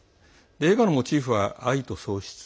映画のモチーフは愛と喪失。